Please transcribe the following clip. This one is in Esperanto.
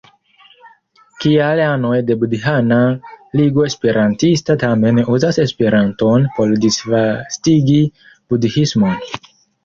Kial anoj de Budhana Ligo Esperantista tamen uzas Esperanton por disvastigi budhismon?